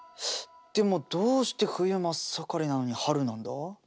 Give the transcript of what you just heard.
でもどうして冬真っ盛りなのに春なんだ？